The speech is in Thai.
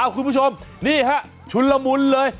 คุณผู้ชมนี่ค่ะชุภี่เลวเลย